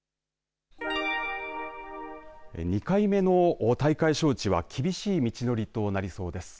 ２回目の大会招致は厳しい道のりとなりそうです。